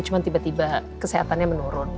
cuma tiba tiba kesehatannya menurun